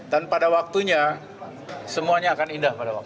pada waktunya semuanya akan indah